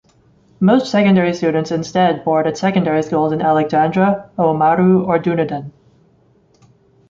Most secondary students instead board at secondary schools in Alexandra, Oamaru or Dunedin.